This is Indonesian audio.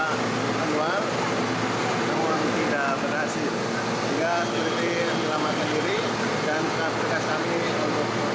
sepuluh ini sudah berusaha untuk memadakan salah